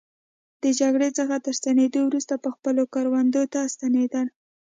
د جګړې څخه تر ستنېدو وروسته به خپلو کروندو ته ستنېدل.